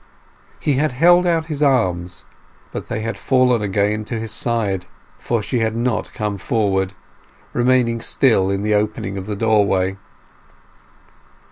He had held out his arms, but they had fallen again to his side; for she had not come forward, remaining still in the opening of the doorway.